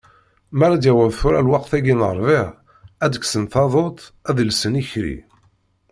Mi ara d-yaweḍ tura lweqt-ayi n rrbiɛ, ad d-kksen taḍuṭ, ad d-llsen ikerri.